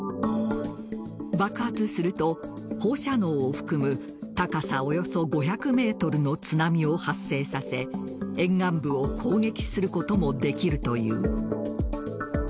爆発すると放射能を含む高さおよそ５００ｍの津波を発生させ沿岸部を攻撃することもできるという。